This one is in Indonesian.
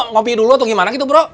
ngopi dulu atau gimana gitu bro